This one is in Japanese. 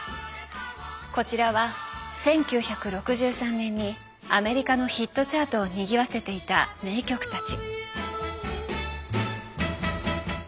こちらは１９６３年にアメリカのヒットチャートをにぎわせていた名曲たち。